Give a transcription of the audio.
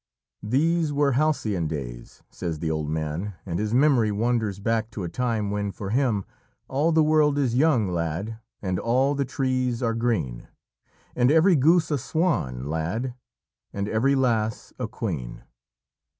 "These were halcyon days," says the old man, and his memory wanders back to a time when for him "All the world is young, lad, And all the trees are green; And every goose a swan, lad, And every lass a queen."